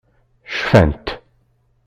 Cfant.